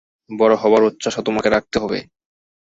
বড় হবার উচ্চাশা তোমাকে রাখতে হবে।